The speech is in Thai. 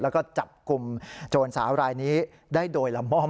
แล้วก็จับกลุ่มโจรสาวรายนี้ได้โดยละม่อม